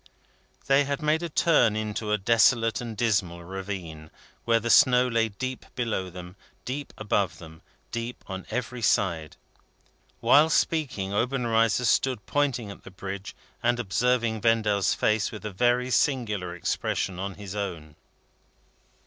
They had made a turn into a desolate and dismal ravine, where the snow lay deep below them, deep above them, deep on every side. While speaking, Obenreizer stood pointing at the Bridge, and observing Vendale's face, with a very singular expression on his own.